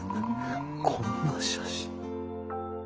こんな写真。